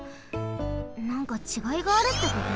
なんかちがいがあるってこと？